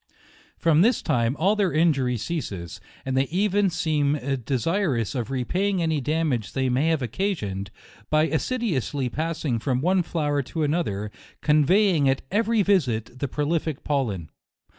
From this time all their injury ceases, and they even seem desirous of repaying any damage they may have occasioned, by assiduously passing from one flower to another, conveying at eve ry visit, the prolific pollen.